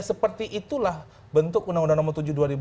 seperti itulah bentuk undang undang nomor tujuh